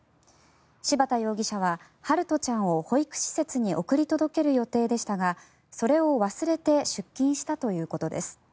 柴田容疑者は陽翔ちゃんを保育施設に送り届ける予定でしたがそれを忘れて出勤したということです。